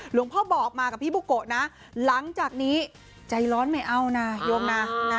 พ่อบอกมากับพี่บุโกะนะหลังจากนี้ใจร้อนไม่เอานะโยมนะ